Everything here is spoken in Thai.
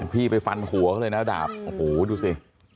พี่ไปฟันหัวเขาเลยนะดาบโอ้โหดูสิ